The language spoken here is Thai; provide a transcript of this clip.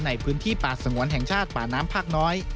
ในพื้นที่ป่าสงวนแห่งชาติป่าน้ำภาคน้อย